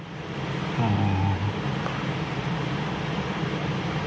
อืม